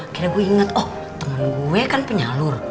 akhirnya gue inget oh tangan gue kan penyalur